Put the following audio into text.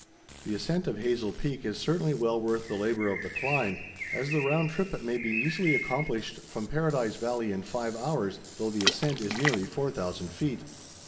The ascent of Hazel Peak is certainly well worth the labor of the climb, as the round trip may be easily accomplished from Paradise Valley in five hours, though the ascent is nearly 4000 feet.